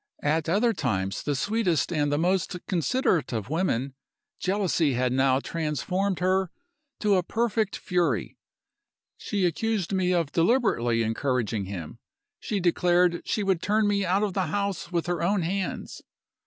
At other times the sweetest and the most considerate of women, jealousy had now transformed her to a perfect fury. She accused me of deliberately encouraging him; she declared she would turn me out of the house with her own hands.